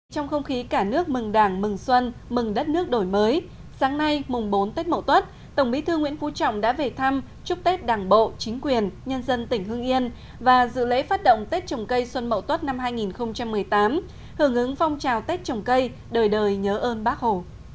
trong không khí cả nước mừng đảng mừng xuân mừng đất nước đổi mới sáng nay mùng bốn tết mậu tuất tổng bí thư nguyễn phú trọng đã về thăm chúc tết đảng bộ chính quyền nhân dân tỉnh hưng yên và dự lễ phát động tết trồng cây xuân mậu tuất năm hai nghìn một mươi tám hưởng ứng phong trào tết trồng cây đời đời nhớ ơn bác hồ